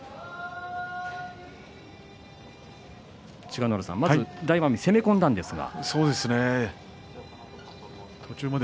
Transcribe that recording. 千賀ノ浦さん、大奄美攻め込んだんですが。